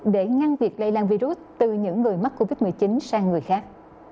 để ngăn việc lây lan virus từ những người mắc covid một mươi chín sang người khác